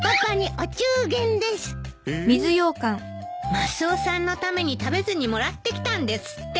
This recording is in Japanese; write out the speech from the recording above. マスオさんのために食べずにもらってきたんですって。